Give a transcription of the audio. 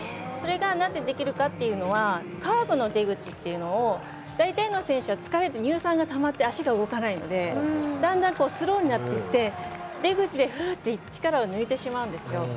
それがなぜできるかっていうのはカーブの出口っていうのを大体の選手は疲れると乳酸がたまって足が動かないのでだんだんスローになってって出口でふうって力を抜いてしまうんですよ。